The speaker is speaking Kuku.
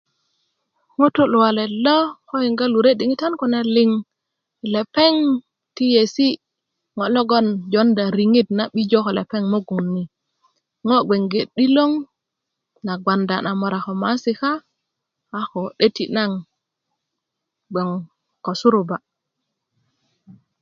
ŋutu luwalet ko yiŋga lure yi diŋitan kune liŋ ti yesi ŋo logbon jonda riŋit ko lepeŋ yi mugun ni ŋo gbeŋge 'diloŋ na gbanda na mora ko maasika a ko 'döti naŋ gboŋ ko suruba